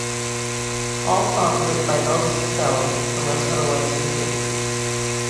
All songs written by Elvis Costello unless otherwise indicated.